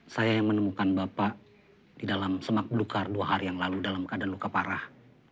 saya yang menemukan bapak di dalam semak belukar dua hari yang lalu dalam keadaan luka parah